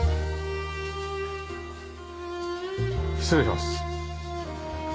失礼します。